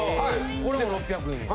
これも６００円や。